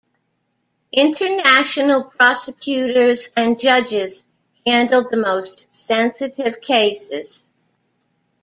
International prosecutors and judges handled the most sensitive cases.